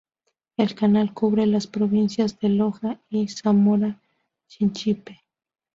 El canal cubre las provincias de Loja y Zamora Chinchipe.